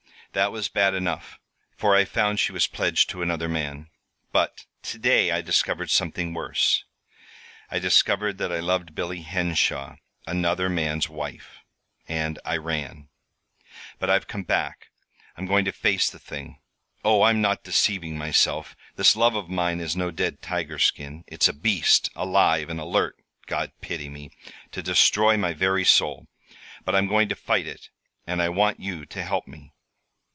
That was bad enough, for I found she was pledged to another man. But to day I discovered something worse: I discovered that I loved Billy Henshaw another man's wife. And I ran. But I've come back. I'm going to face the thing. Oh, I'm not deceiving myself! This love of mine is no dead tiger skin. It's a beast, alive and alert God pity me! to destroy my very soul. But I'm going to fight it; and I want you to help me."